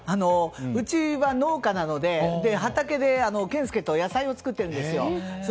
うちは農家なので、畑で健介と野菜を作っているんですよ。